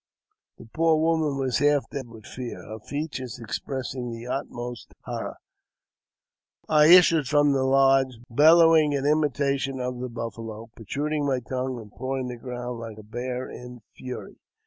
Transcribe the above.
The poor woman was half dead with fear, her features expressing the utmost horror. I issued from the lodge, bellowing in imitation of the buffalo, protruding my tongue, and pawing up the ground like a bear in fury.